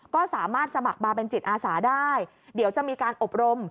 ก็สามารถสมัครมาเป็นจิตอาสาได้เดี๋ยวจะมีการอบรม